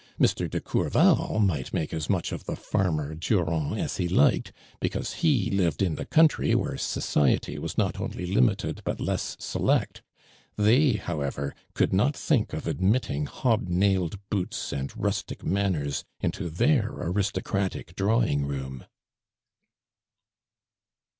Air. de Courval might make as much of the farmer Durand as he liked, because lie lived in the country where society was not only limited but less select; they, however, could not think of admitting hobnailed boots and rustic man ners into their aristocratic di'awing room.'"